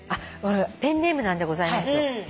ペンネームなんでございますよ。